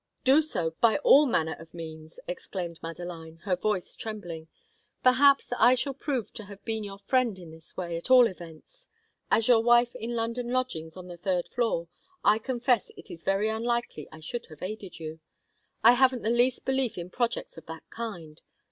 "Do so, by all manner of means!" exclaimed Madeline, her voice trembling. "Perhaps I shall prove to have been your friend in this way, at all events. As your wife in London lodgings on the third floor, I confess it is very unlikely I should have aided you. I haven't the least belief in projects of that kind.